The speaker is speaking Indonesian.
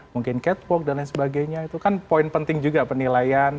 mungkin catwalk dan lain sebagainya itu kan poin penting juga penilaian